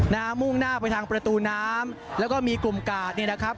มุ่งหน้าไปทางประตูน้ำแล้วก็มีกลุ่มกาดเนี่ยนะครับ